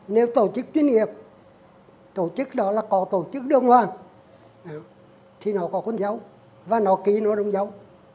nếu tổ chức chuyên nghiệp tổ chức đó là có tổ chức đơn hoàn thì nó có cuốn dấu và nó ký nó đồng dấu